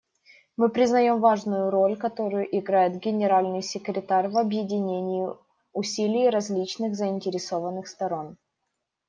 Мы признаем важную роль, которую играет Генеральный секретарь в объединении усилий различных заинтересованных сторон.